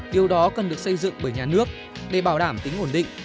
điều đó cần được xây dựng bởi nhà nước để bảo đảm tính ổn định